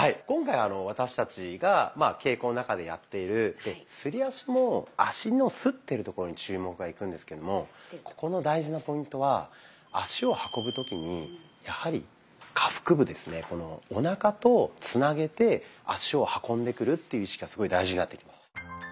今回私たちが稽古の中でやっているすり足も足のすってるところに注目がいくんですけどもここの大事なポイントは足を運ぶ時にやはり下腹部ですねおなかとつなげて足を運んでくるっていう意識がすごい大事になってきます。